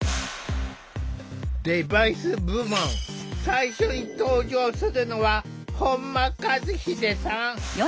デバイス部門最初に登場するのは本間一秀さん。